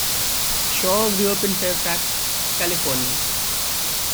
Shaw grew up in Fairfax, California.